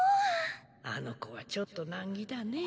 あの子はちょっと難儀だねぇ。